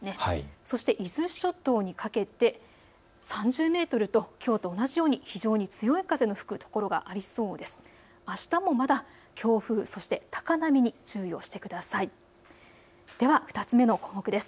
そして伊豆諸島にかけて３０メートルときょうと同じように非常に強い風が吹くところがありそうです。